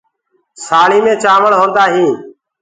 سآݪينٚ مي چآوݪ ہوندآ هينٚ۔